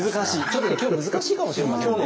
ちょっと今日難しいかもしれませんね。